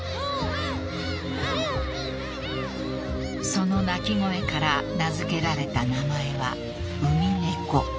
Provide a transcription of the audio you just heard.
［その鳴き声から名付けられた名前はウミネコ］